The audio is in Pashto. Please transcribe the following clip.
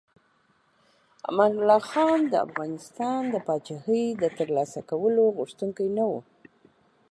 امان الله خان د افغانستان د پاچاهۍ د ترلاسه کولو غوښتونکی نه و.